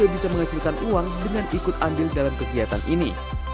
bisa menghasilkan uang dengan ikut andil dalam kegiatan ini